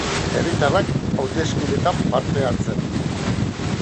Herritarrak hauteskundeetan parte hartzen.